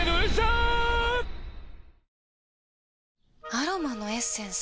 アロマのエッセンス？